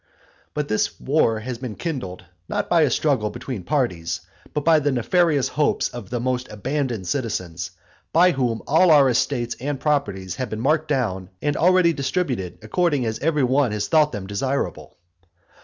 But this war has been kindled, not by a struggle between parties, but by the nefarious hopes of the most abandoned citizens, by whom all our estates and properties have been marked down, and already distributed according as every one has thought them desirable.